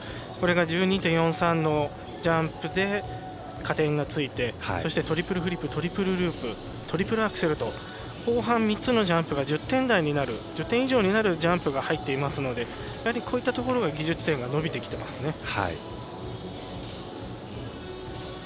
これが１２．４３のジャンプで加点がついて、トリプルフリップトリプルループトリプルアクセルと後半３つのジャンプが１０点以上になるジャンプが入っていますのでやはりこういったところが技術点、伸びてきてますね。